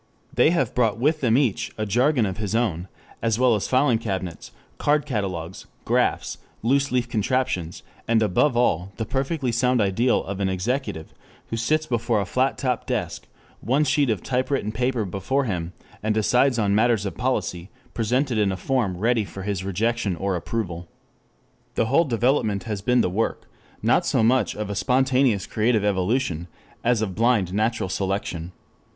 They have brought with them each a jargon of his own, as well as filing cabinets, card catalogues, graphs, loose leaf contraptions, and above all the perfectly sound ideal of an executive who sits before a flat top desk, one sheet of typewritten paper before him, and decides on matters of policy presented in a form ready for his rejection or approval. This whole development has been the work, not so much of a spontaneous creative evolution, as of blind natural selection.